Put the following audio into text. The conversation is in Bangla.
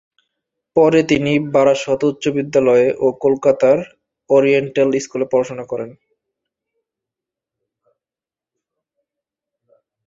পরে তিনি বারাসত উচ্চ বিদ্যালয়ে ও কলকাতার ওরিয়েন্টাল স্কুলে পড়াশোনা করেন।